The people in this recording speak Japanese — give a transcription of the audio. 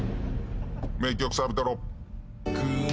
名曲サビトロ。